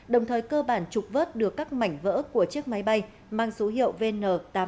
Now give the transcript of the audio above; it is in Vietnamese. đồng thời cơ bản trục vớt được các mảnh vỡ của chiếc máy bay mang số hiệu vn tám nghìn sáu trăm năm mươi